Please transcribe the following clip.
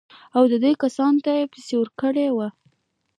او دوو کسانو ته یې پېسې ورکړې وې.